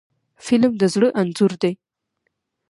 فلم د زړه انځور دی